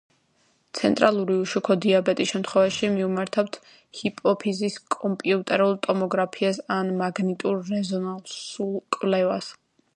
ცენტრალური უშაქრო დიაბეტის შემთხვევაში მივმართავთ ჰიპოფიზის კომპიუტერულ ტომოგრაფიას ან მაგნიტურ-რეზონანსულ კვლევას.